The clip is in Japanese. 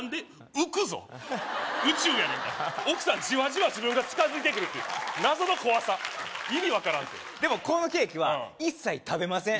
浮くぞ宇宙やねんから奥さんじわじわ自分が近づいてくるっていう謎の怖さ意味分からんてでもこのケーキは一切食べません